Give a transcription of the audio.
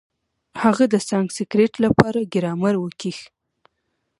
هغه د سانسکرېټ له پاره ګرامر وکېښ.